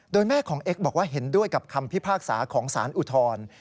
โดยแม่ของเอ็กซ์บอกว่าเห็นด้วยกับคำพิพากษาของสารอุทธร